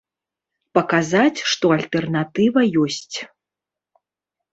Паказаць, што альтэрнатыва ёсць.